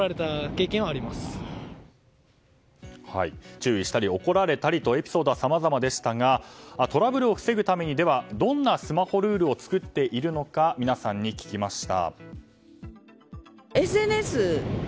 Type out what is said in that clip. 注意したり、怒られたりとエピソードはさまざまでしたがトラブルを防ぐためにでは、どんなスマホルールを作っているのかみなさんに聞きました。